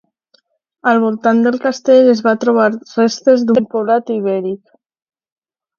Al voltant del castell es van trobar restes d'un poblat ibèric.